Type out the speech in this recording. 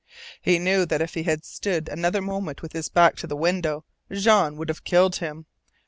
He knew that if he had stood another moment with his back to the window Jean would have killed him.